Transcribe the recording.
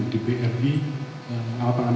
di bri alat tangan